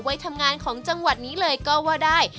ไว้ทำงานของจังหวัดนี้เลยก็ว่าได้